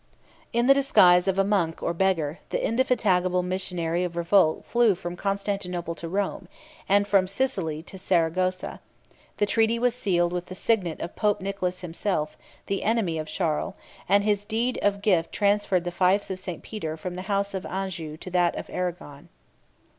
In the disguise of a monk or beggar, the indefatigable missionary of revolt flew from Constantinople to Rome, and from Sicily to Saragossa: the treaty was sealed with the signet of Pope Nicholas himself, the enemy of Charles; and his deed of gift transferred the fiefs of St. Peter from the house of Anjou to that of Arragon.